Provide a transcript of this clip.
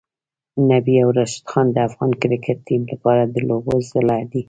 نبی او راشدخان د افغان کرکټ ټیم لپاره د لوبو زړه دی.